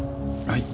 はい。